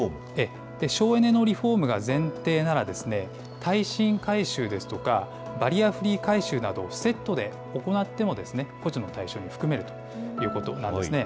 省エネのリフォームが前提なら、耐震改修ですとか、バリアフリー改修などをセットで行っても、補助の対象に含めるということなんですね。